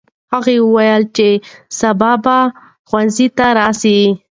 هغه وویل چې سبا به ښوونځي ته راسي.